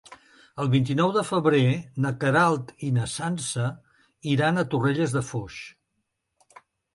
El vint-i-nou de febrer na Queralt i na Sança iran a Torrelles de Foix.